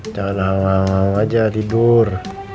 jangan halang halang aja tidur